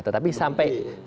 tetapi sampai itu